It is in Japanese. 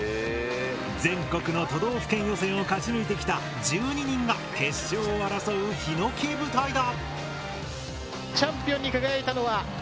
全国の都道府県予選を勝ち抜いてきた１２人が決勝を争うひのき舞台だ。